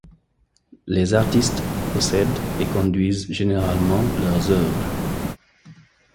Les artistes possèdent et conduisent généralement leurs œuvres.